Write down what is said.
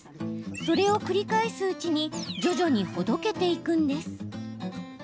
それを繰り返すうちに徐々にほどけていくんです。